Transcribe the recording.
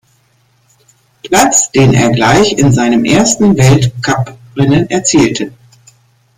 Platz, den er gleich in seinem ersten Weltcuprennen erzielte.